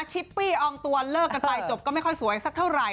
ชิปปี้อองตัวเลิกกันไปจบก็ไม่ค่อยสวยสักเท่าไหร่